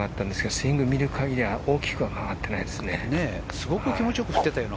スイングを見る限りは大きくは上がっていないですね。